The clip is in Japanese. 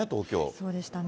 そうでしたね。